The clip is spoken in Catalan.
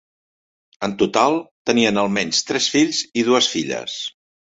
En total, tenien almenys tres fills i dues filles.